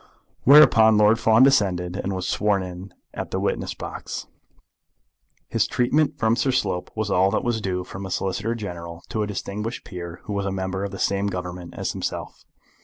Whereupon Lord Fawn descended, and was sworn in at the witness box. His treatment from Sir Simon Slope was all that was due from a Solicitor General to a distinguished peer who was a member of the same Government as himself.